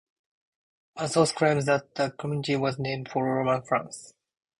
One source claims that the community was named for Roanne, France.